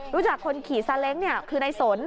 รู้จักคนขี่ซาเล้งคือในสน